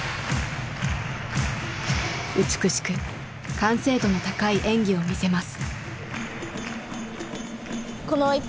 美しく完成度の高い演技を見せます。